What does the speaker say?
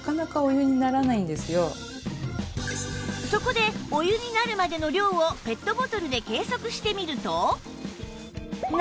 そこでお湯になるまでの量をペットボトルで計測してみると